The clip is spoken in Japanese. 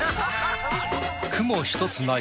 雲一つない